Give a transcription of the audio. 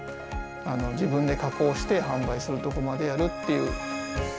自分で加工して販売するとこまでやるっていう。